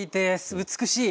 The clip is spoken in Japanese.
美しい！